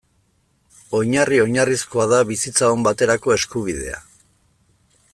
Oinarri oinarrizkoa da bizitza on baterako eskubidea.